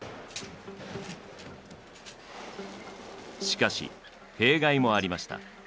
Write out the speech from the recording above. しかし弊害もありました。